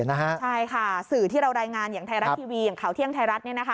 ใช่ค่ะสื่อที่เรารายงานอย่างไทยรัฐทีวีอย่างข่าวเที่ยงไทยรัฐ